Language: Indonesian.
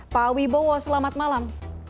pak wibowo selamat malam